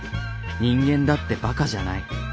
人間だってバカじゃない。